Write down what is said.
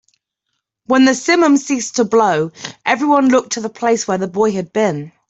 When the simum ceased to blow, everyone looked to the place where the boy had been.